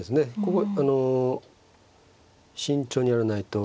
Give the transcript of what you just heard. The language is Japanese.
ここあの慎重にやらないと。